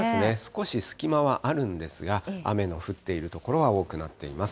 少し隙間はあるんですが、雨の降っている所は多くなっています。